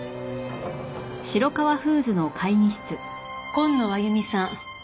紺野亜由美さん。